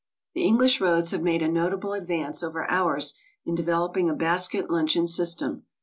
The English roads have made a notable advance over ours in developing a basket luncheon system.